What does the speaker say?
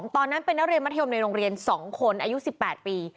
ตอนนั้นเป็นนักเรียนมัธยมในโรงเรียน๒คนอายุ๑๘ปี